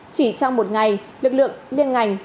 chỉ trong một ngày lực lượng liên ngành